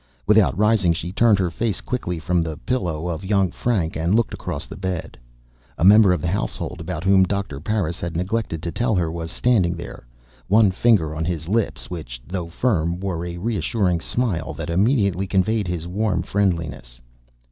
Without rising, she turned her face quickly from the pillow of young Frank and looked across the bed. A member of the household about whom Doctor Parris had neglected to tell her was standing there, one finger on his lips which, though firm, wore a reassuring smile that immediately conveyed his warm friendliness.